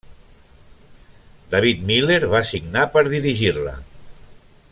David Miller va signar per dirigir-la.